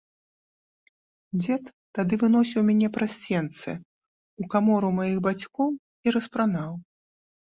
Дзед тады выносіў мяне праз сенцы ў камору маіх бацькоў і распранаў.